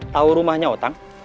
tahu rumahnya otang